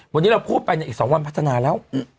วันนี้เราพูดไปในอีก๒วันพัฒนาแล้ว